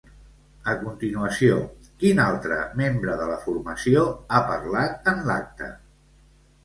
A continuació, quin altre membre de la formació ha parlat en l'acte?